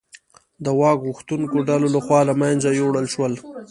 د واک غوښتونکو ډلو لخوا له منځه یووړل شول.